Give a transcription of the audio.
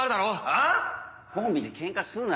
あぁ⁉コンビでケンカすな。